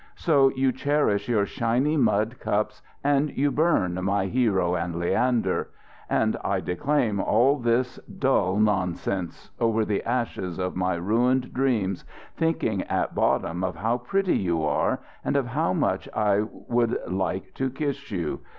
So you cherish your shiny mud cups, and you burn my 'Hero and Leander': and I declaim all this dull nonsense, over the ashes of my ruined dreams, thinking at bottom of how pretty you are, and of how much I would like to kiss you.